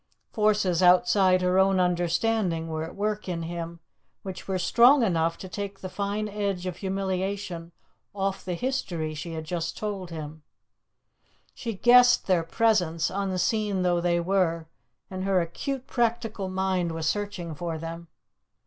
Forces outside her own understanding were at work in him which were strong enough to take the fine edge of humiliation off the history she had just told him; she guessed their presence, unseen though they were, and her acute practical mind was searching for them.